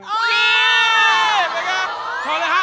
เยี่ยมนะครับ